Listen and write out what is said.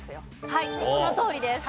はいそのとおりです。